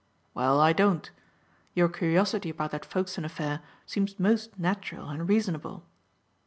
"Well, I don't. Your curiosity about that Folkestone affair seems most natural and reasonable."